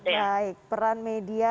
baik peran media